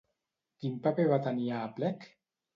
Quin paper va tenir a Aplec?